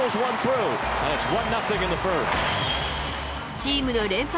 チームの連敗